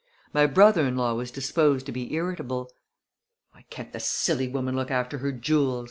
My brother in law was disposed to be irritable. "Why can't the silly woman look after her jewels?"